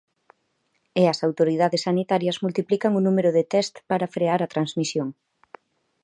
E as autoridades sanitarias multiplican o número de tests para frear a transmisión.